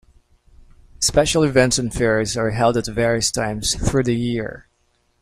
Special events and fairs are held at various times through the year.